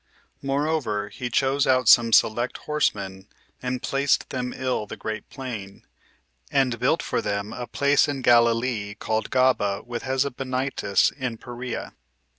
Moreover, he chose out some select horsemen, and placed them in the great plain; and built [for them] a place in Galilee, called Gaba with Hesebonitis, in Perea.